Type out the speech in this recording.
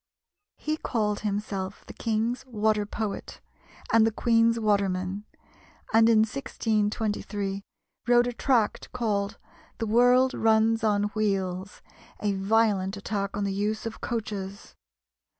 He called himself "the King's Water Poet" and "the Queen's Waterman;" and in 1623 wrote a tract called "The World runs on Wheels" a violent attack on the use of coaches.